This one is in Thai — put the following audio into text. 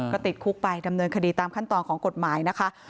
ก็ติดคุกไปดำเนินคดีตามขั้นตอนของกฎหมายนะคะ